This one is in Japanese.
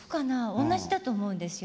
おんなじだと思うんですよ。